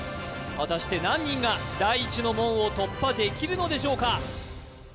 果たして何人が第一の門を突破できるのでしょうか？